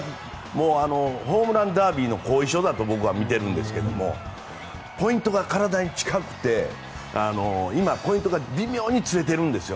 ホームランダービーの後遺症だと僕は見ていますがポイントが体に近くて今、ポイントが微妙にずれてるんですよ。